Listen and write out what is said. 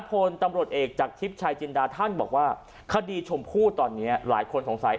พลตำรวจเอกจากทิพย์ชายจินดาท่านบอกว่าคดีชมพู่ตอนนี้หลายคนสงสัย